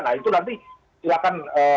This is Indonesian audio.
nah itu nanti silahkan